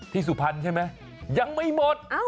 ที่สุภัณฐ์ใช่ไหมยังไม่หมด